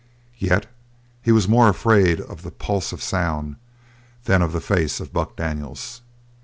Yet he was more afraid of that pulse of sound than of the face of Buck Daniels.